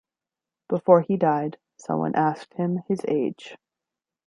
Before he died, someone asked him his age.